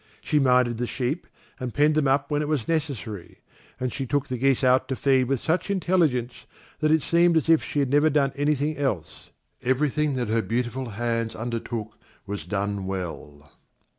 She minded the sheep, and penned them up when it was necessary, and she took the geese out to feed with such intelligence that it seemed as if she had never done anything else. Everything that her beautiful hands undertook was done well.